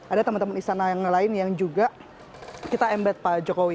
ada teman teman istana yang lain yang juga kita embet pak jokowi